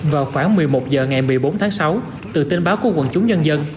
vào khoảng một mươi một h ngày một mươi bốn tháng sáu từ tin báo của quần chúng nhân dân